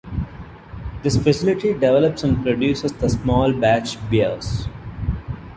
This facility develops and produces the small-batch beers.